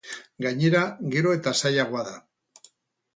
Gainera, gero eta zailagoa da.